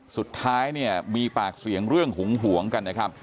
สุดท้ายดาร์มีปากเสียงเรื่องหมวงกัน